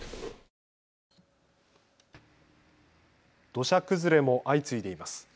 土砂崩れも相次いでいます。